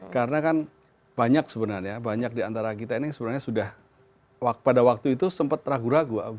karena kan banyak sebenarnya banyak di antara kita ini yang sebenarnya sudah pada waktu itu sempat ragu ragu